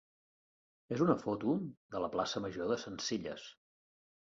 és una foto de la plaça major de Sencelles.